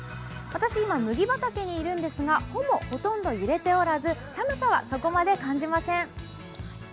私は今、麦畑にいますが、穂もほとんど揺れておらず寒さはそこまで感じません。